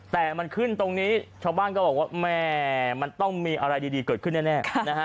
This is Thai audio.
แต่มันขึ้นตรงนี้ชาวบ้านก็บอกว่าแม่มันต้องมีอะไรดีเกิดขึ้นแน่นะฮะ